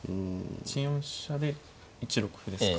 １四飛車で１六歩ですか。